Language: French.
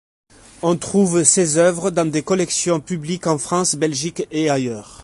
On trouve ses œuvres dans des collections publiques en France, Belgique, et ailleurs.